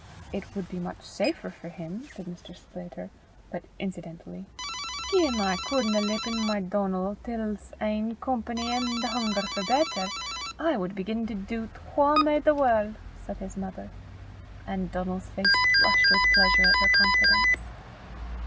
"It would be much safer for him," said Mr. Sclater, but incidentally. "Gien I cudna lippen my Donal till 's ain company an' the hunger for better, I wad begin to doobt wha made the warl'," said his mother; and Donal's face flushed with pleasure at her confidence.